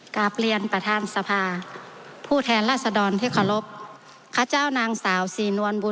กราบเรียนประทานสภาผู้แทนราษฎรที่